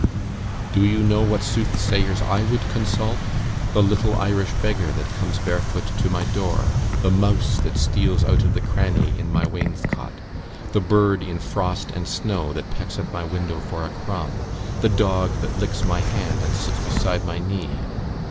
"Do you know what soothsayers I would consult?" ... "The little Irish beggar that comes barefoot to my door; the mouse that steals out of the cranny in my wainscot; the bird in frost and snow that pecks at my window for a crumb; the dog that licks my hand and sits beside my knee.